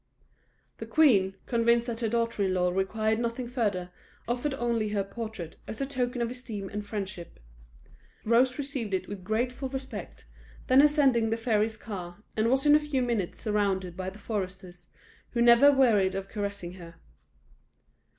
The queen, convinced that her daughter in law required nothing further, offered only her portrait, as a token of esteem and friendship. Rose received it with grateful respect, then ascended the fairy's car, and was in a few minutes surrounded by the foresters, who never wearied of caressing her.